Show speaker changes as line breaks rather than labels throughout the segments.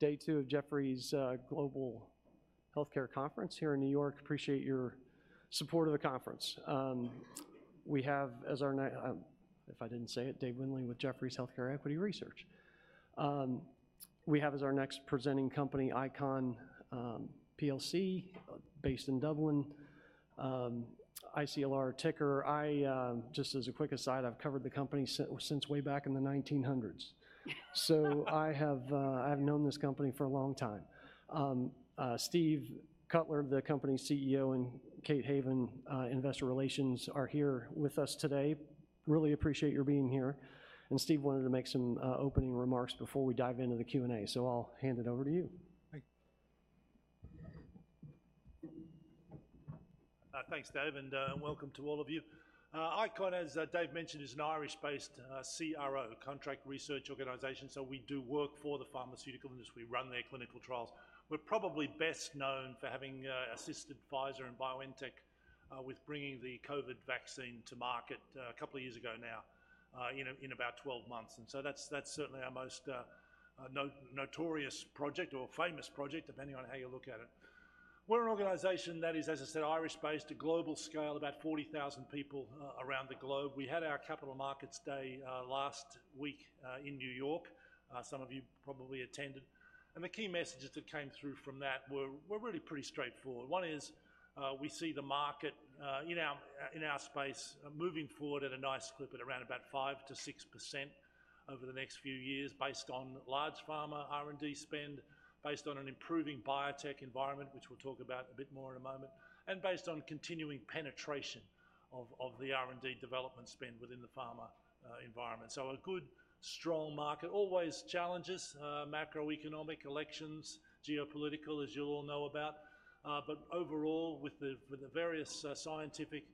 Day 2 of Jefferies Global Healthcare Conference here in New York. Appreciate your support of the conference. We have as our next, if I didn't say it, Dave Windley with Jefferies Healthcare Equity Research. We have as our next presenting company, ICON plc, based in Dublin. ICLR ticker. I just as a quick aside, I've covered the company since way back in the 1900s. So I have, I've known this company for a long time. Steve Cutler, the company's CEO, and Kate Haven, Investor Relations, are here with us today. Really appreciate your being here. And Steve wanted to make some opening remarks before we dive into the Q&A, so I'll hand it over to you.
Thanks, Dave, and welcome to all of you. ICON, as Dave mentioned, is an Irish-based CRO, Contract Research Organization. So we do work for the pharmaceutical industry. We run their clinical trials. We're probably best known for having assisted Pfizer and BioNTech with bringing the COVID vaccine to market a couple of years ago now, in about 12 months. And so that's certainly our most notorious project or famous project, depending on how you look at it. We're an organization that is, as I said, Irish-based at global scale, about 40,000 people around the globe. We had our Capital Markets Day last week in New York. Some of you probably attended. And the key messages that came through from that were really pretty straightforward. One is, we see the market, in our space, moving forward at a nice clip at around about 5%-6% over the next few years, based on large pharma R&D spend, based on an improving biotech environment, which we'll talk about a bit more in a moment, and based on continuing penetration of, of the R&D development spend within the pharma environment. So a good, strong market. Always challenges, macroeconomic, elections, geopolitical, as you'll all know about. But overall, with the various, scientific,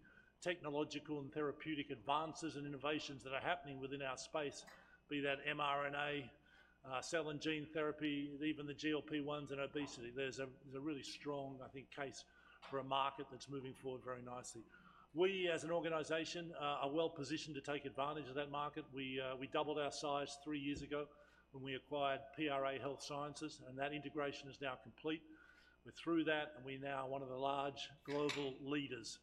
technological, and therapeutic advances and innovations that are happening within our space, be that mRNA, cell and gene therapy, even the GLP-1s and obesity, there's a really strong, I think, case for a market that's moving forward very nicely. We, as an organization, are well positioned to take advantage of that market. We doubled our size three years ago when we acquired PRA Health Sciences, and that integration is now complete. We're through that, and we now are one of the large global leaders,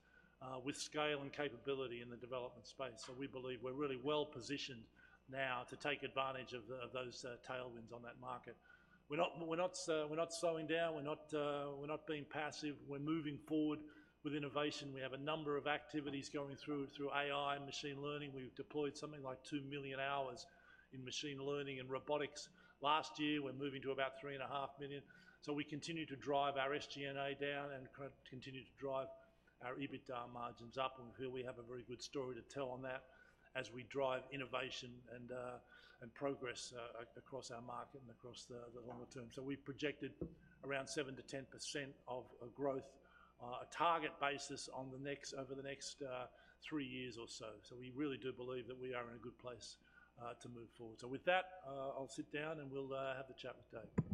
with scale and capability in the development space. So we believe we're really well positioned now to take advantage of those tailwinds on that market. We're not slowing down. We're not being passive. We're moving forward with innovation. We have a number of activities going through AI and machine learning. We've deployed something like 2 million hours in machine learning and robotics last year. We're moving to about 3.5 million. So we continue to drive our SG&A down and continue to drive our EBITDA margins up. We feel we have a very good story to tell on that as we drive innovation and progress across our market and across the longer term. So we've projected around 7%-10% growth, a target basis over the next three years or so. So we really do believe that we are in a good place to move forward. So with that, I'll sit down and we'll have the chat with Dave.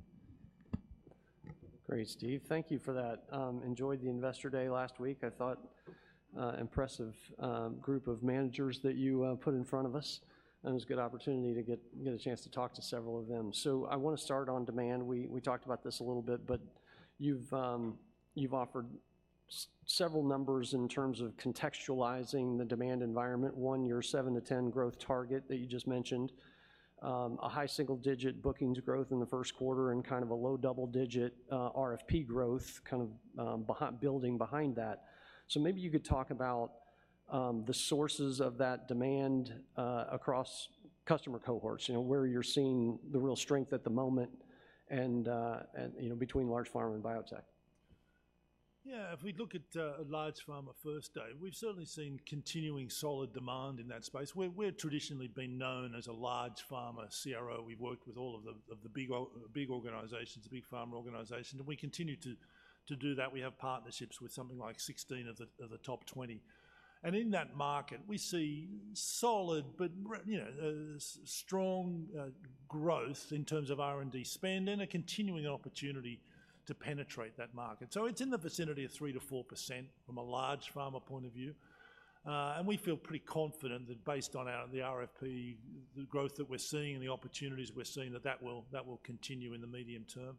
Great, Steve. Thank you for that. I enjoyed the Investor Day last week. I thought, impressive group of managers that you put in front of us. And it was a good opportunity to get a chance to talk to several of them. So I wanna start on demand. We talked about this a little bit, but you've offered several numbers in terms of contextualizing the demand environment. One, your 7%-10% growth target that you just mentioned, a high single-digit bookings growth in the first quarter and kind of a low double-digit RFP growth kind of building behind that. So maybe you could talk about the sources of that demand across customer cohorts, where you're seeing the real strength at the moment and, you know, between large pharma and biotech.
Yeah. If we look at large pharma first, Dave, we've certainly seen continuing solid demand in that space. We're traditionally been known as a large pharma CRO. We've worked with all of the big organizations, the big pharma organizations, and we continue to do that. We have partnerships with something like 16 of the top 20. And in that market, we see solid but strong growth in terms of R&D spend and a continuing opportunity to penetrate that market. So it's in the vicinity of 3%-4% from a large pharma point of view. And we feel pretty confident that based on the RFP, the growth that we're seeing and the opportunities we're seeing, that will continue in the medium term.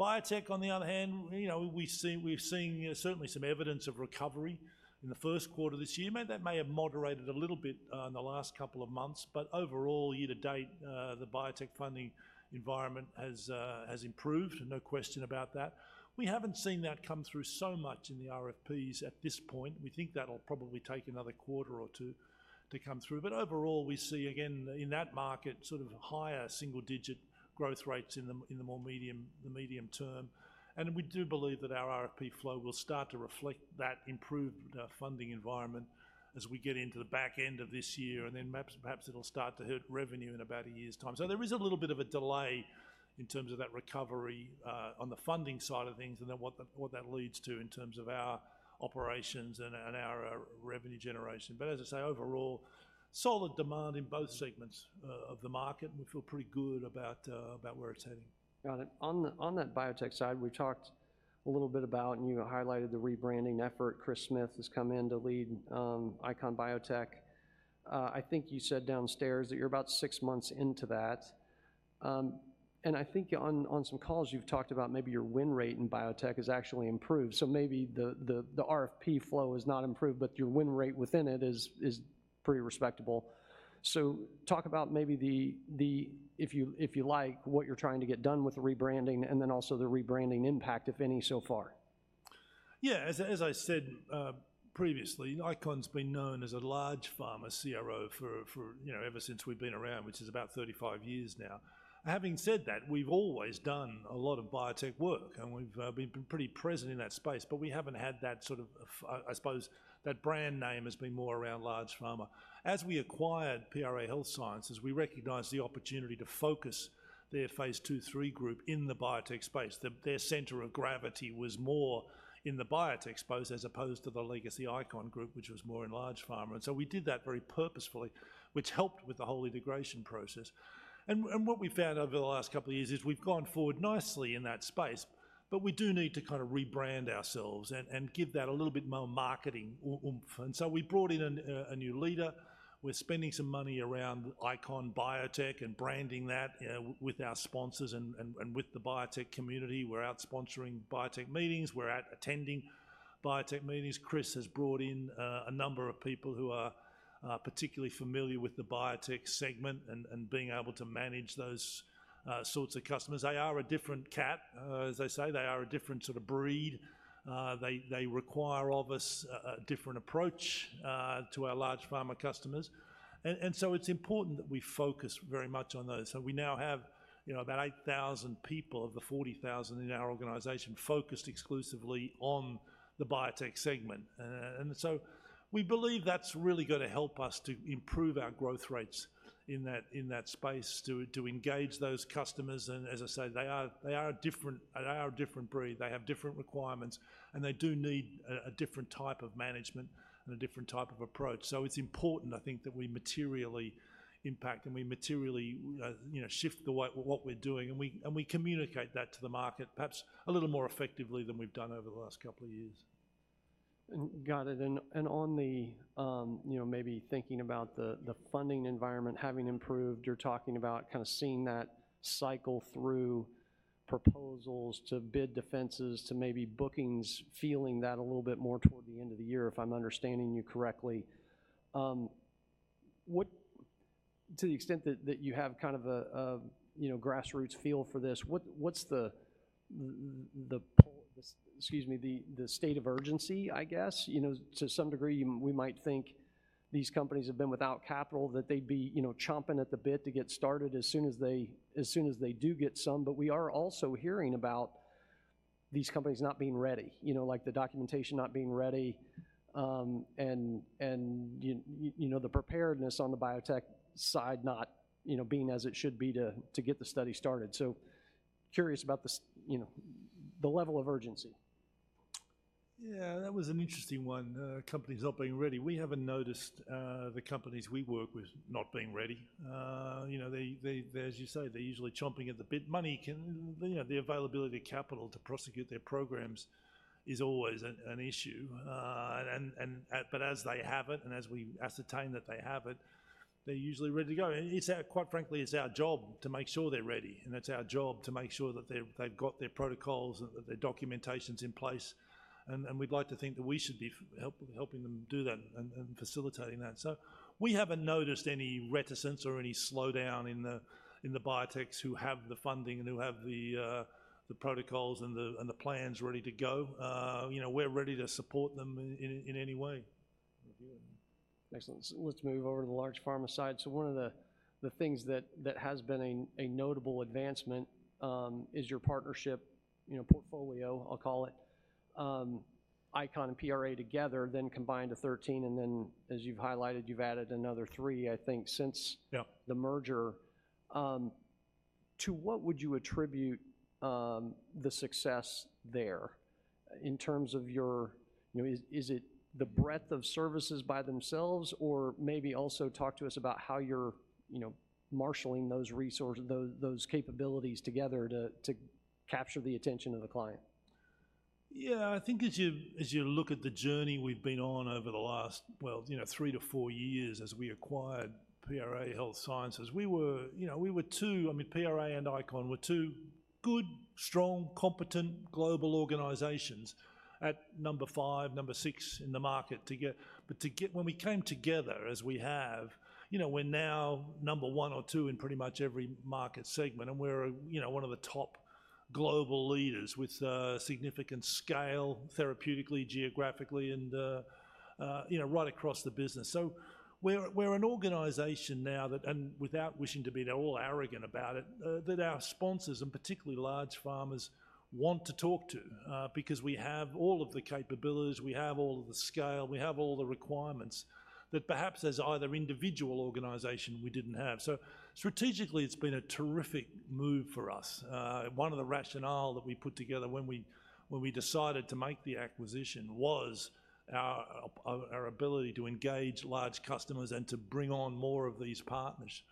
Biotech, on the other hand, we've seen certainly some evidence of recovery in the first quarter this year. But, that may have moderated a little bit, in the last couple of months, but overall, year to date, the biotech funding environment has improved. No question about that. We haven't seen that come through so much in the RFPs at this point. We think that'll probably take another quarter or two to come through. But overall, we see, again, in that market, sort of higher single-digit growth rates in the medium term. And we do believe that our RFP flow will start to reflect that improved funding environment as we get into the back end of this year. And then perhaps, perhaps it'll start to hit revenue in about a year's time. So there is a little bit of a delay in terms of that recovery, on the funding side of things and then what that leads to in terms of our operations and our revenue generation. But as I say, overall, solid demand in both segments of the market. We feel pretty good about where it's heading.
Got it. On that biotech side, we talked a little bit about, and you highlighted the rebranding effort. Chris Smyth has come in to lead ICON Biotech. I think you said downstairs that you're about six months into that. And I think on some calls, you've talked about maybe your win rate in biotech has actually improved. So maybe the RFP flow has not improved, but your win rate within it is pretty respectable. So talk about maybe the, if you like, what you're trying to get done with the rebranding and then also the rebranding impact, if any, so far.
Yeah. As I said previously, ICON's been known as a large pharma CRO for, ever since we've been around, which is about 35 years now. Having said that, we've always done a lot of biotech work, and we've been pretty present in that space, but we haven't had that sort of, I suppose that brand name has been more around large pharma. As we acquired PRA Health Sciences, we recognized the opportunity to focus their Phase II-III group in the biotech space. Their center of gravity was more in the biotech space as opposed to the legacy ICON group, which was more in large pharma. And so we did that very purposefully, which helped with the whole integration process. What we found over the last couple of years is we've gone forward nicely in that space, but we do need to kind of rebrand ourselves and give that a little bit more marketing oomph. So we brought in a new leader. We're spending some money around ICON Biotech and branding that with our sponsors and with the biotech community. We're out sponsoring biotech meetings. We're out attending biotech meetings. Chris has brought in a number of people who are particularly familiar with the biotech segment and being able to manage those sorts of customers. They are a different cat, as they say. They are a different sort of breed. They require of us a different approach to our large pharma customers. So it's important that we focus very much on those. So we now have about 8,000 people of the 40,000 in our organization focused exclusively on the biotech segment. And so we believe that's really gonna help us to improve our growth rates in that space to engage those customers. And as I say, they are a different breed. They have different requirements, and they do need a different type of management and a different type of approach. So it's important, I think, that we materially impact and we materially shift the way what we're doing. And we communicate that to the market perhaps a little more effectively than we've done over the last couple of years.
Got it. And on the, maybe thinking about the funding environment having improved, you're talking about kind of seeing that cycle through proposals to bid defenses to maybe bookings, feeling that a little bit more toward the end of the year, if I'm understanding you correctly. To the extent that you have kind of a you know, grassroots feel for this, what's the state of urgency, I guess, to some degree, we might think these companies have been without capital that they'd be, you know, chomping at the bit to get started as soon as they do get some. But we are also hearing about these companies not being ready, the documentation not being ready, and the preparedness on the biotech side not being as it should be to get the study started. So curious about the level of urgency.
Yeah. That was an interesting one. Companies not being ready. We haven't noticed the companies we work with not being ready. As you say, they're usually chomping at the bit. Money can, the availability of capital to prosecute their programs is always an issue. But as they have it and as we ascertain that they have it, they're usually ready to go. And it's our job, quite frankly, to make sure they're ready. And it's our job to make sure that they've got their protocols and that their documentation's in place. And we'd like to think that we should be helping them do that and facilitating that. So we haven't noticed any reticence or any slowdown in the biotechs who have the funding and who have the protocols and the plans ready to go. We're ready to support them in any way.
Excellent. So let's move over to the large pharma side. So one of the things that has been a notable advancement is your partnership portfolio, I'll call it, ICON and PRA together then combined to 13. And then, as you've highlighted, you've added another three, I think, since the merger. To what would you attribute the success there in terms of your, is it the breadth of services by themselves or maybe also talk to us about how you're marshaling those resources, those capabilities together to capture the attention of the client?
Yeah. I think as you look at the journey we've been on over the last three to four years as we acquired PRA Health Sciences, we were two, I mean, PRA and ICON were two good, strong, competent global organizations at number five, number six in the market to get, but to get when we came together as we have, you know, we're now number one or two in pretty much every market segment. And we're one of the top global leaders with significant scale therapeutically, geographically, and right across the business. So we're an organization now that, and without wishing to be all arrogant about it, that our sponsors and particularly large pharmas want to talk to, because we have all of the capabilities, we have all of the scale, we have all the requirements that perhaps as either individual organization we didn't have. So strategically, it's been a terrific move for us. One of the rationale that we put together when we decided to make the acquisition was our ability to engage large customers and to bring on more of these partners.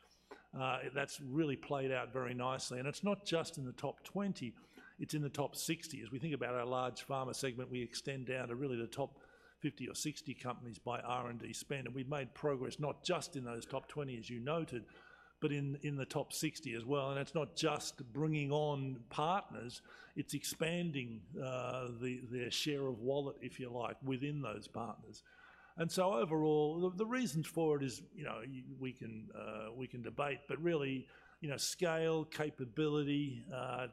That's really played out very nicely. And it's not just in the top 20, it's in the top 60. As we think about our large pharma segment, we extend down to really the top 50 or 60 companies by R&D spend. And we've made progress not just in those top 20, as you noted, but in the top 60 as well. And it's not just bringing on partners, it's expanding their share of wallet, if you like, within those partners. And so overall, the reasons for it is, we can debate, but really scale, capability,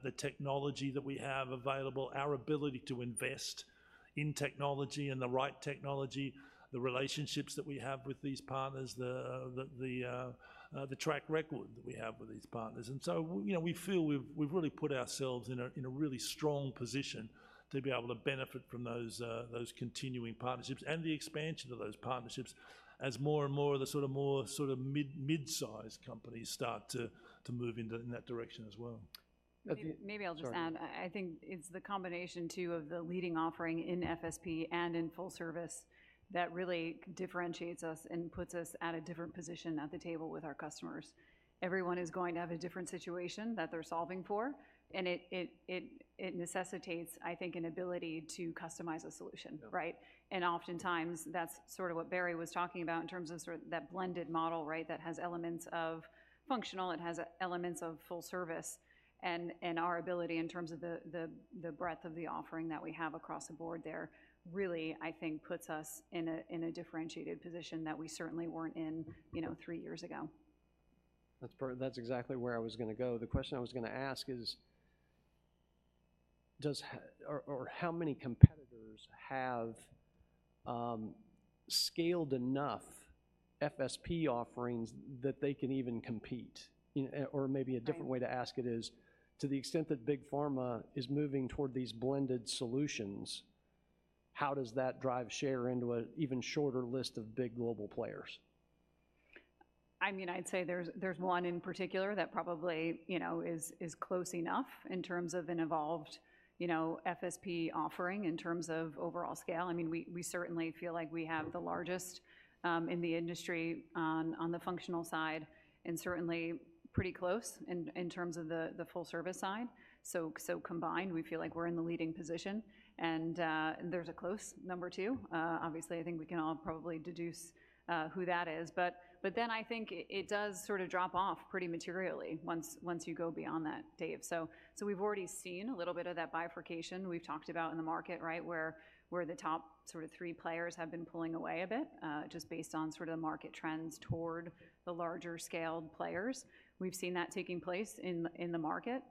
the technology that we have available, our ability to invest in technology and the right technology, the relationships that we have with these partners, the track record that we have with these partners. So, we feel we've really put ourselves in a really strong position to be able to benefit from those continuing partnerships and the expansion of those partnerships as more and more of the sort of mid-sized companies start to move into that direction as well.
Maybe I'll just add. I think it's the combination too of the leading offering in FSP and in full service that really differentiates us and puts us at a different position at the table with our customers. Everyone is going to have a different situation that they're solving for. And it necessitates, I think, an ability to customize a solution, right? And oftentimes that's sort of what Barry was talking about in terms of sort of that blended model, right, that has elements of functional, it has elements of full service. And our ability in terms of the breadth of the offering that we have across the board there really, I think, puts us in a differentiated position that we certainly weren't in three years ago.
That's exactly where I was gonna go. The question I was gonna ask is, how many competitors have scaled enough FSP offerings that they can even compete? Or maybe a different way to ask it is, to the extent that big pharma is moving toward these blended solutions, how does that drive share into an even shorter list of big global players?
I mean, I'd say there's one in particular that probably is close enough in terms of an evolved, you know, FSP offering in terms of overall scale. I mean, we certainly feel like we have the largest in the industry on the functional side and certainly pretty close in terms of the full service side. So combined, we feel like we're in the leading position. There's a close number two. Obviously, I think we can all probably deduce who that is. But then I think it does sort of drop off pretty materially once you go beyond that, Dave. So, we've already seen a little bit of that bifurcation we've talked about in the market, right, where the top sort of three players have been pulling away a bit, just based on sort of the market trends toward the larger scaled players. We've seen that taking place in the market,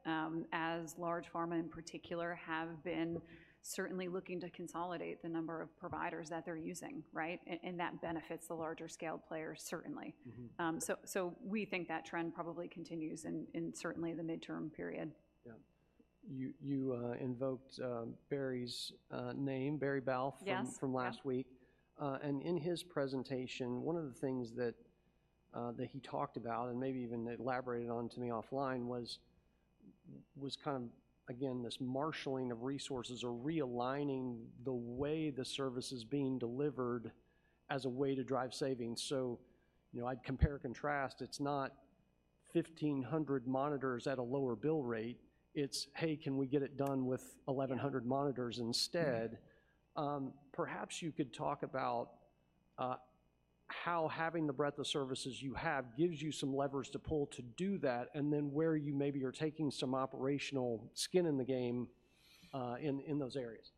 as large pharma in particular have been certainly looking to consolidate the number of providers that they're using, right? And that benefits the larger scaled players certainly. So we think that trend probably continues in certainly the midterm period.
Yeah. You invoked Barry's name, Barry Balfe.
Yes.
From last week. And in his presentation, one of the things that he talked about and maybe even elaborated on to me offline was kind of, again, this marshaling of resources or realigning the way the service is being delivered as a way to drive savings. So I'd compare and contrast. It's not 1,500 monitors at a lower bill rate. It's, hey, can we get it done with 1,100 monitors instead? Perhaps you could talk about how having the breadth of services you have gives you some levers to pull to do that and then where you maybe are taking some operational skin in the game, in those areas.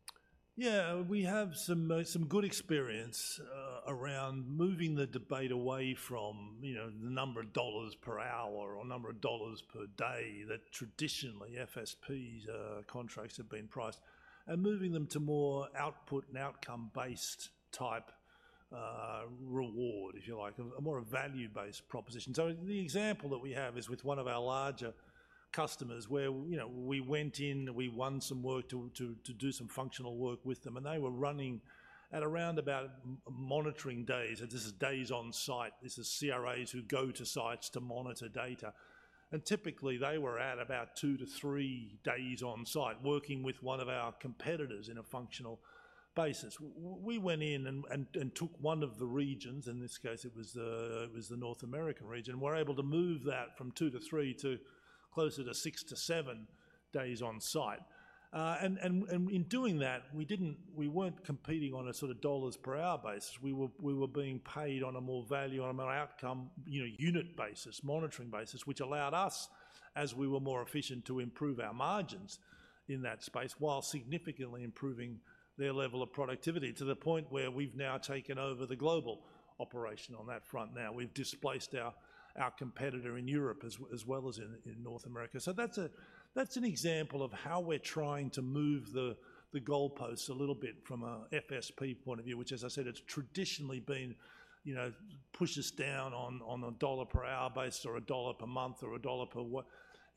Yeah. We have some good experience around moving the debate away from the number of dollars per hour or number of dollars per day that traditionally FSPs contracts have been priced and moving them to more output- and outcome-based type reward, if you like, a more value-based proposition. So the example that we have is with one of our larger customers where we went in, we won some work to do some functional work with them, and they were running at around about monitoring days. And this is days on site. This is CRAs who go to sites to monitor data. And typically they were at about two to three days on site working with one of our competitors in a functional basis. We went in and took one of the regions, in this case it was the North American region, were able to move that from two to three to closer to six to seven days on site, and in doing that, we weren't competing on a sort of $ per hour basis. We were being paid on a more value, on a more outcome, unit basis, monitoring basis, which allowed us, as we were more efficient, to improve our margins in that space while significantly improving their level of productivity to the point where we've now taken over the global operation on that front. Now we've displaced our competitor in Europe as well as in North America. That's an example of how we're trying to move the goalposts a little bit from a FSP point of view, which, as I said, it's traditionally been, pushes down on a dollar per hour basis or a dollar per month or a dollar per what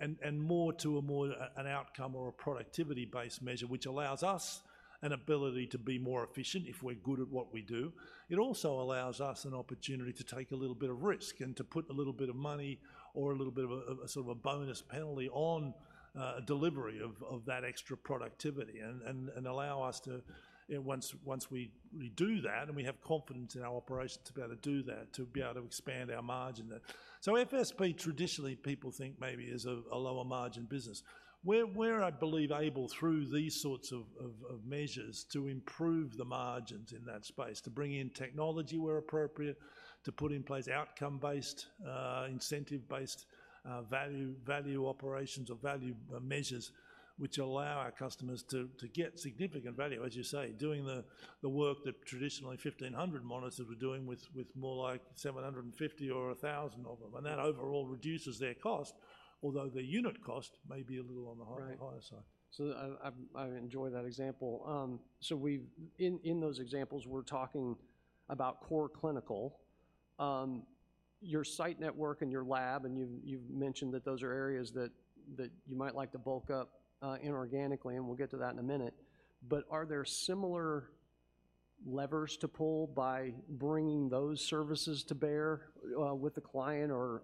and more to a more an outcome or a productivity-based measure, which allows us an ability to be more efficient if we're good at what we do. It also allows us an opportunity to take a little bit of risk and to put a little bit of money or a little bit of a sort of a bonus penalty on delivery of that extra productivity and allow us to, once we do that and we have confidence in our operations, to be able to do that, to be able to expand our margin there. So FSP traditionally people think maybe is a lower margin business. We're, I believe, able through these sorts of measures to improve the margins in that space, to bring in technology where appropriate, to put in place outcome-based, incentive-based, value operations or value measures, which allow our customers to get significant value, as you say, doing the work that traditionally 1,500 monitors were doing with more like 750 or 1,000 of them. That overall reduces their cost, although the unit cost may be a little on the higher side.
Right. So I enjoy that example. So we've in those examples, we're talking about core clinical, your site network and your lab. And you've mentioned that those are areas that you might like to bulk up, inorganically. And we'll get to that in a minute. But are there similar levers to pull by bringing those services to bear, with the client or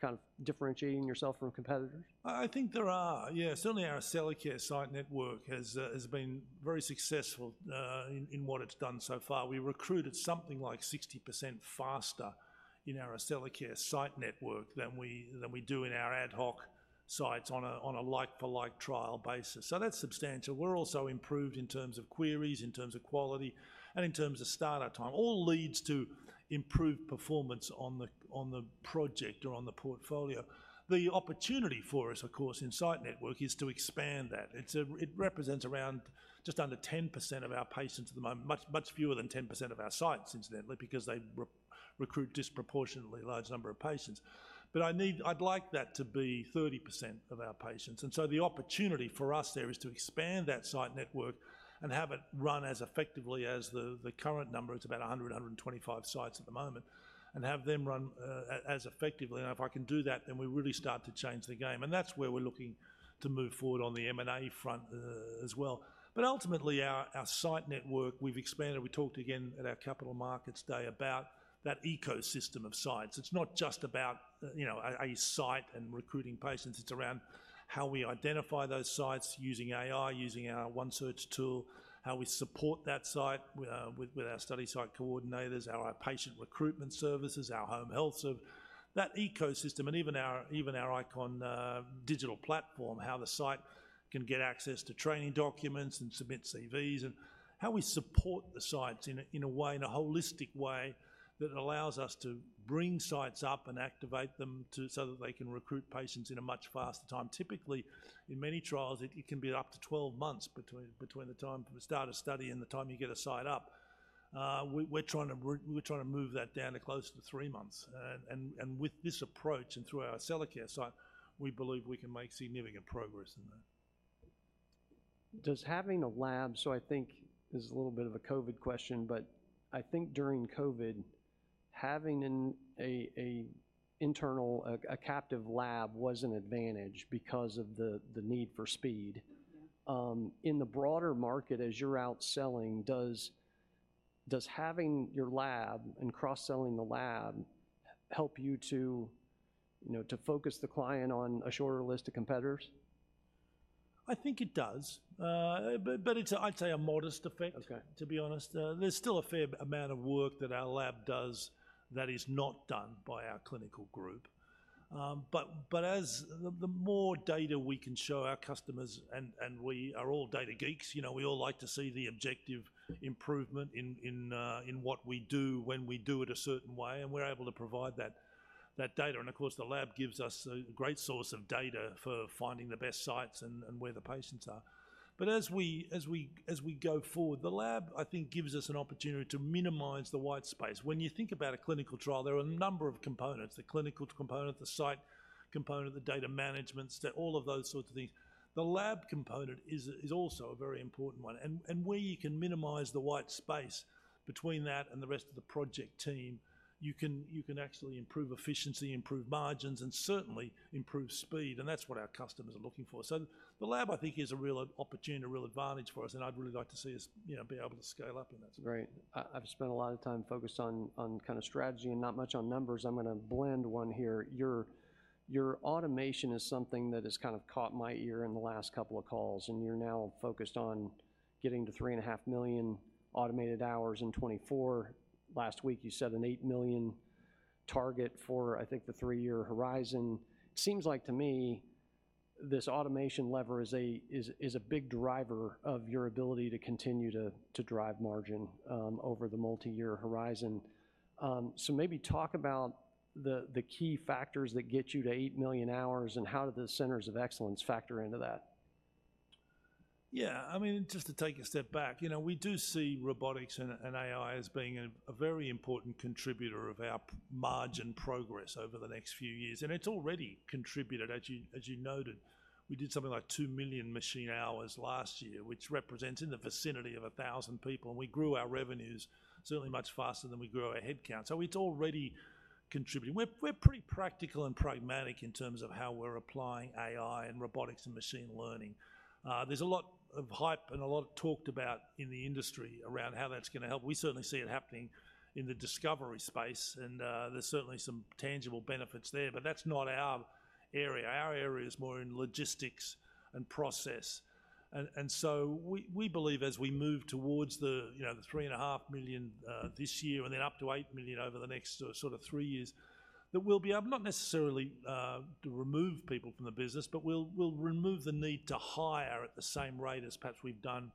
kind of differentiating yourself from competitors?
I think there are. Yeah. Certainly our Accellacare site network has been very successful in what it's done so far. We recruited something like 60% faster in our Accellacare site network than we do in our ad hoc sites on a like-for-like trial basis. So that's substantial. We're also improved in terms of queries, in terms of quality, and in terms of startup time, all leads to improved performance on the project or on the portfolio. The opportunity for us, of course, in site network is to expand that. It represents around just under 10% of our patients at the moment, much fewer than 10% of our sites incidentally, because they recruit disproportionately large number of patients. But I'd like that to be 30% of our patients. So the opportunity for us there is to expand that site network and have it run as effectively as the current number. It's about 100-125 sites at the moment and have them run as effectively. And if I can do that, then we really start to change the game. And that's where we're looking to move forward on the M&A front, as well. But ultimately our site network, we've expanded. We talked again at our Capital Markets Day about that ecosystem of sites. It's not just about a site and recruiting patients. It's around how we identify those sites using AI, using our One Search tool, how we support that site with our study site coordinators, our patient recruitment services, our home health service, that ecosystem, and even our ICON Digital Platform, how the site can get access to training documents and submit CVs and how we support the sites in a way, in a holistic way that allows us to bring sites up and activate them to so that they can recruit patients in a much faster time. Typically in many trials, it can be up to 12 months between the time of a start of study and the time you get a site up. We're trying to move that down to closer to three months. With this approach and through our Accellacare site, we believe we can make significant progress in that.
Does having a lab, so I think this is a little bit of a COVID question, but I think during COVID having an internal captive lab was an advantage because of the need for speed. In the broader market, as you're out selling, does having your lab and cross-selling the lab help you to focus the client on a shorter list of competitors?
I think it does. But it's a, I'd say, a modest effect. To be honest, there's still a fair amount of work that our lab does that is not done by our clinical group. But the more data we can show our customers and we are all data geeks, we all like to see the objective improvement in what we do when we do it a certain way. And we're able to provide that data. And of course, the lab gives us a great source of data for finding the best sites and where the patients are. But as we go forward, the lab, I think, gives us an opportunity to minimize the white space. When you think about a clinical trial, there are a number of components, the clinical component, the site component, the data management, all of those sorts of things. The lab component is also a very important one. And where you can minimize the white space between that and the rest of the project team, you can actually improve efficiency, improve margins, and certainly improve speed. And that's what our customers are looking for. So the lab, I think, is a real opportunity, a real advantage for us. And I'd really like to see us be able to scale up in that.
Great. I've spent a lot of time focused on kind of strategy and not much on numbers. I'm gonna blend one here. Your automation is something that has kind of caught my ear in the last couple of calls. And you're now focused on getting to 3.5 million automated hours in 2024. Last week you set an 8 million target for, I think, the three-year horizon. It seems like to me this automation lever is a big driver of your ability to continue to drive margin over the multi-year horizon. So maybe talk about the key factors that get you to 8 million hours and how do the centers of excellence factor into that.
Yeah. I mean, just to take a step back, we do see robotics and AI as being a very important contributor of our margin progress over the next few years. And it's already contributed, as you noted, we did something like 2 million machine hours last year, which represents in the vicinity of 1,000 people. And we grew our revenues certainly much faster than we grew our headcount. So it's already contributing. We're pretty practical and pragmatic in terms of how we're applying AI and robotics and machine learning. There's a lot of hype and a lot of talk about in the industry around how that's gonna help. We certainly see it happening in the discovery space. And there's certainly some tangible benefits there, but that's not our area. Our area is more in logistics and process. So we believe as we move towards the $3.5 million this year and then up to $8 million over the next sort of 3 years, that we'll be able not necessarily to remove people from the business, but we'll remove the need to hire at the same rate as perhaps we've done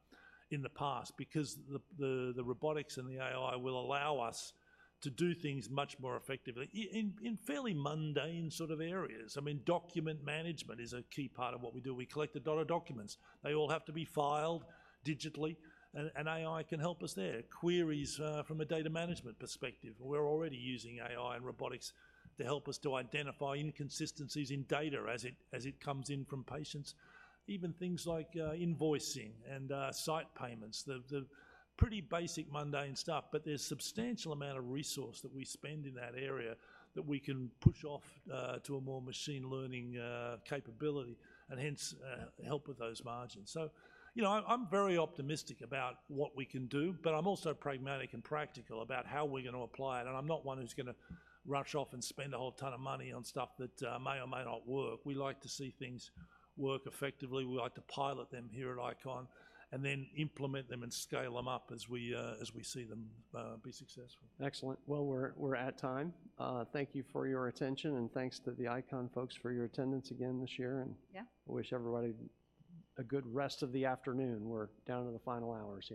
in the past because the robotics and the AI will allow us to do things much more effectively in fairly mundane sort of areas. I mean, document management is a key part of what we do. We collect a lot of documents. They all have to be filed digitally. And AI can help us there. Queries, from a data management perspective. We're already using AI and robotics to help us identify inconsistencies in data as it comes in from patients, even things like invoicing and site payments, the pretty basic mundane stuff. But there's a substantial amount of resource that we spend in that area that we can push off to a more machine learning capability and hence help with those margins. So I'm very optimistic about what we can do, but I'm also pragmatic and practical about how we're gonna apply it. And I'm not one who's gonna rush off and spend a whole ton of money on stuff that may or may not work. We like to see things work effectively. We like to pilot them here at ICON and then implement them and scale them up as we see them be successful.
Excellent. Well, we're at time. Thank you for your attention and thanks to the ICON folks for your attendance again this year.
Yeah.
I wish everybody a good rest of the afternoon. We're down to the final hours.